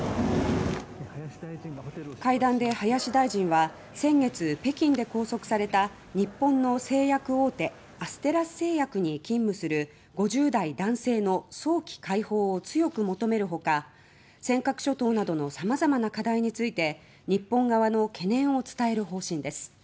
林大臣がホテル会談で林大臣は先月北京で拘束された日本の製薬大手・アステラス製薬に勤務する５０代男性の早期解放を強く求める他尖閣諸島などの様々な課題について日本側の懸念を伝える方針です。